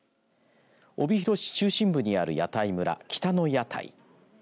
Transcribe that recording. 帯広市中心部にある屋台村北の屋台。